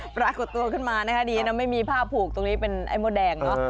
ปรากฏตัวขึ้นมานะคะดีนะไม่มีผ้าผูกตรงนี้เป็นไอ้มดแดงเนอะ